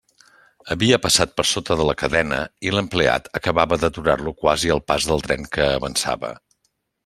Havia passat per sota de la cadena, i l'empleat acabava d'aturar-lo quasi al pas del tren que avançava.